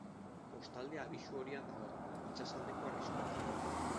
Kostaldea abisu horian dago, itsasaldeko arriskuagatik.